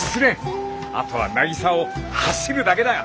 あとはなぎさを走るだけだよ。